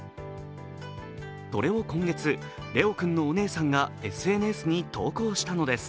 それを今月、れおくんのお姉さんがＳＮＳに投稿したのです。